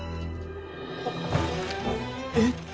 あっえっ？